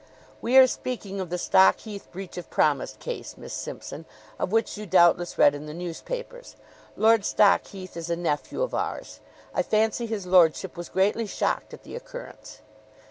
"We are speaking of the Stockheath breach of promise case, Miss Simpson, of which you doubtless read in the newspapers. Lord Stockheath is a nephew of ours. I fancy his lordship was greatly shocked at the occurrence."